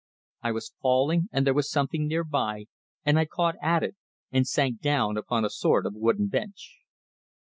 I was falling, and there was something nearby, and I caught at it, and sank down upon a sort of wooden bench.